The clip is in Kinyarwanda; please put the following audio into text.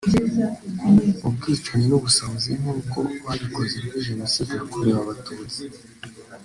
ubwicanyi n’ubusahuzi nkuko babikoze muri Jenoside yakorewe Abatutsi